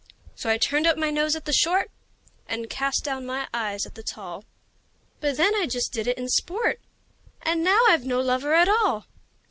So I turned up my nose at the short, And cast down my eyes at the tall; But then I just did it in sport And now I've no lover at all!